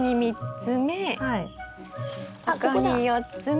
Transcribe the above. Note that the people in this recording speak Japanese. ここに４つ目。